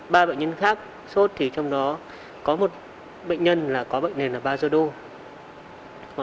ba bệnh nhân khác sốt thì trong đó có một bệnh nhân là có bệnh nền là basodo